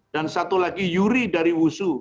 dan satu lagi yuri dari wusu